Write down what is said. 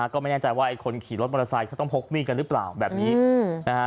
ก็ไม่แน่ใจว่าไอ้คนขี่รถมอเตอร์ไซค์ต้องพกมีดกันหรือเปล่าแบบนี้นะฮะ